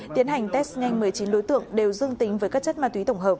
tiến hành test ngay một mươi chín đối tượng đều dương tính với các chất ma túy